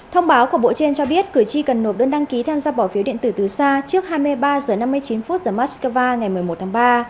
thông báo của bộ trên cho biết cử tri cần nộp đơn đăng ký tham gia bỏ phiếu điện tử từ xa trước hai mươi ba h năm mươi chín h moscow ngày một mươi một tháng ba